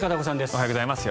おはようございます。